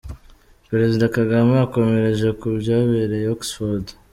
Perezida Kagame akomereje ku byabereye Oxford.